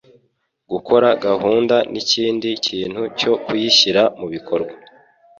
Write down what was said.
Gukora gahunda nikindi kintu cyo kuyishyira mubikorwa.